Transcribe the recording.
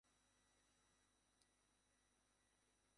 তা ছাড়া কালু খাঁর কারণে অনেক বেদান্তী কাণ্ডকারখানা হয়।